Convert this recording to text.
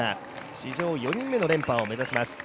史上４人目の連覇を目指します。